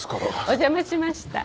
お邪魔しました。